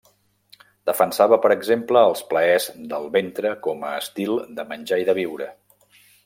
Defensava per exemple els plaers del ventre com a estil de menjar i de viure.